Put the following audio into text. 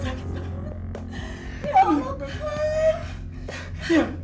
ya allah kang